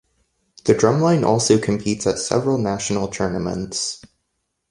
The drumline also competes at several national tournaments.